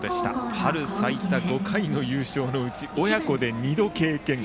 春最多５回の優勝のうち親子で２度経験。